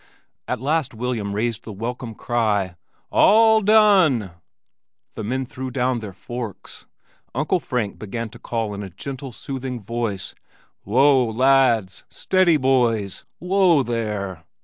At last William raised the welcome cry, "All done!" the men threw down their forks. Uncle Frank began to call in a gentle, soothing voice, "Whoa, lads! Steady, boys! Whoa, there!"